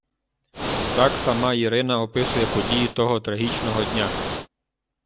Так сама Ірина описує події того трагічного дня.